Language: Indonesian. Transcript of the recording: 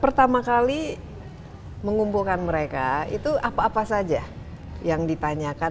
pertama kali mengumpulkan mereka apa saja yang ditanyakan